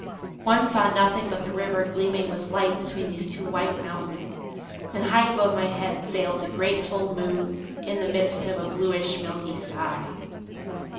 One saw nothing but the river gleaming with light between these two white mountains; and high above my head sailed the great full moon, in the midst of a bluish, milky sky.